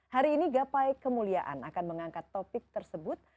hari ini gapai kemuliaan akan mengangkat topik tersebut